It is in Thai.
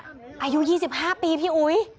อายุ๒๕ปีพี่อุ๋ย